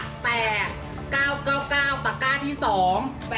แต่๙๙๙ตะกร้าที่๒ต้องมา